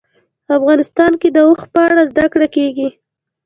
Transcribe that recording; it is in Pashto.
افغانستان کې د اوښ په اړه زده کړه کېږي.